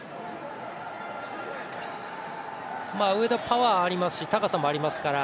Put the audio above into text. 上田、パワーありますし高さもありますから